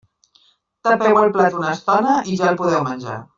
Tapeu el plat una estona i ja el podeu menjar.